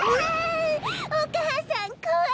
お母さんこわいぴよ。